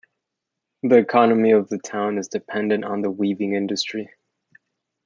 The economy of the town is dependent on the weaving industry.